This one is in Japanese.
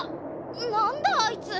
なんだあいつ！